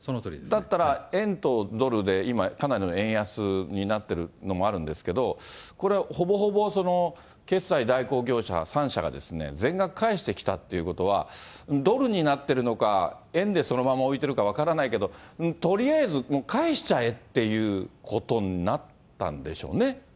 だったら円とドルで今、かなりの円安になってるのもあるんですけど、これ、ほぼほぼ決済代行業者３社が全額返してきたということは、ドルになってるのか、円でそのまま置いてるか分からないけど、とりあえずもう返しちゃえってことになったんでしょうね。